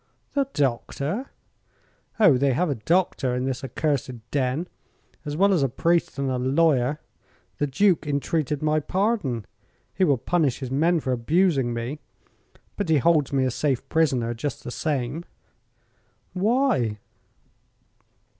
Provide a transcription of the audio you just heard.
"The doctor?" "Oh, they have a doctor in this accursed den, as well as a priest and a lawyer. The Duke entreated my pardon. He will punish his men for abusing me. But he holds me a safe prisoner, just the same." "Why?"